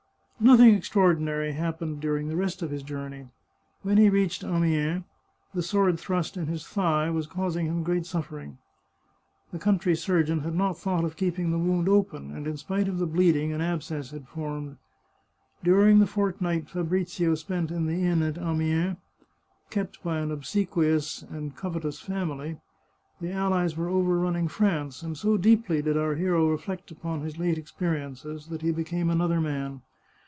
Nothing extraordinary happened during the rest of his journey. When he reached Amiens the sword thrust in his thigh was causing him great suffering. The country surgeon had not thought of keeping the wound open, and in spite of the bleeding, an abscess had formed. During the fortnight Fabrizio spent in the inn at Amiens, kept by an obsequious and covetous family, the allies were overrunning France, and so deeply did our hero reflect upon his late experiences that he became another man.